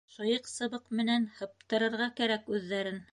— Шыйыҡ сыбыҡ менән һыптырырға кәрәк үҙҙәрен.